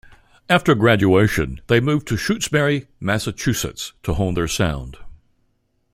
After graduation, they moved to Shutesbury, Massachusetts to hone their sound.